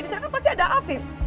disana kan pasti ada afif